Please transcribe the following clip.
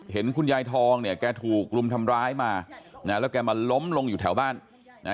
เห็นคุณยายทองเนี่ยแกถูกรุมทำร้ายมานะแล้วแกมาล้มลงอยู่แถวบ้านนะ